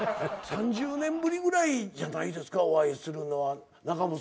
３０年ぶりぐらいじゃないですかお会いするのは仲本さんも。